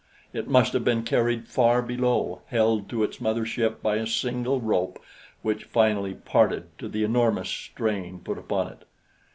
It must have been carried far below, held to its mother ship by a single rope which finally parted to the enormous strain put upon it.